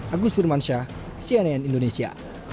agus firman syah cnn indonesia